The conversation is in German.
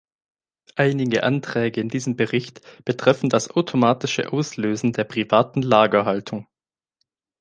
Einige Anträge in diesem Bericht betreffen das automatische Auslösen der privaten Lagerhaltung.